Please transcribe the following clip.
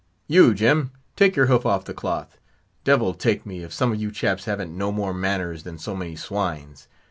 You, Jim, take your hoof off the cloth! Devil take me, if some of you chaps haven't no more manners than so many swines!